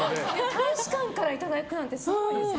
大使館からいただいたなんてすごいですね。